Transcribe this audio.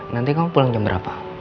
nanti kamu pulang jam berapa